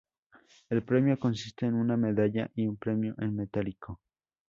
El premio consiste en una medalla y un premio en metálico.